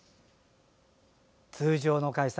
通常の開催